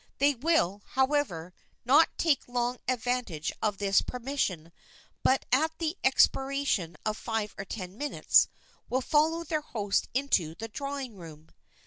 They will, however, not take long advantage of this permission, but, at the expiration of five or ten minutes, will follow their host to the drawing room.